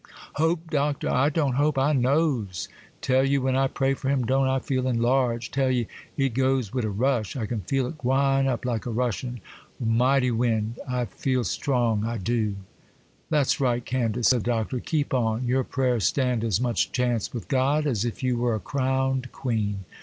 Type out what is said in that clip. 'Hope, Doctor!—I don't hope,—I knows. 'Tell ye, when I pray for him, don't I feel enlarged? 'Tell ye, it goes wid a rush. I can feel it gwine up like a rushin', mighty wind. I feels strong, I do.' 'That's right, Candace,' said the Doctor, 'keep on; your prayers stand as much chance with God as if you were a crowned queen.